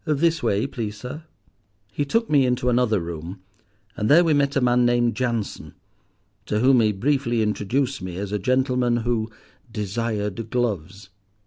'This way, please, sir.' "He took me into another room, and there we met a man named Jansen, to whom he briefly introduced me as a gentleman who 'desired gloves.